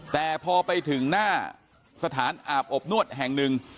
แต่พอไปถึงหน้าสถานอาบอบนวดแห่งหนึ่ง